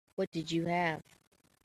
What did you have?